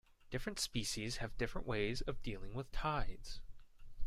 Different species have different ways of dealing with tides.